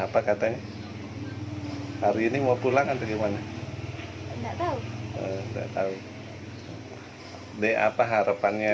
apa katanya hari ini mau pulang atau gimana enggak tahu enggak tahu deh apa harapannya